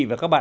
và các bạn